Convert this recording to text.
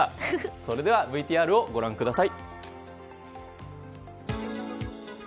それではＶＴＲをご覧ください。